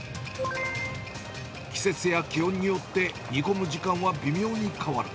季節や気温によって、煮込む時間は微妙に変わる。